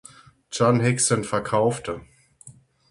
John Hixon verkaufte.